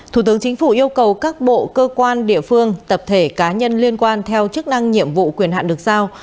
thủ tướng chính phủ yêu cầu các bộ cơ quan địa phương tập thể cá nhân liên quan theo chức năng nhiệm vụ quyền hạn được giao